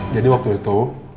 jadi waktu itu